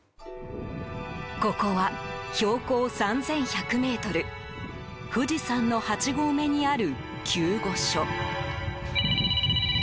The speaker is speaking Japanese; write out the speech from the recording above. ここは標高３１００ｍ富士山の８合目にある救護所。